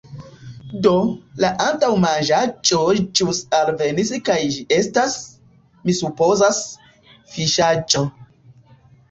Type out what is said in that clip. Do, la antaŭmanĝaĵo ĵus alvenis kaj ĝi estas, mi supozas, fiŝaĵo.